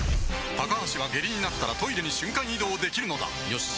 高橋は下痢になったらトイレに瞬間移動できるのだよし。